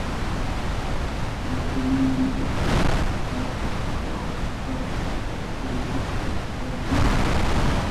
Wasinrayku tarapututa partishka ripata rurananpa.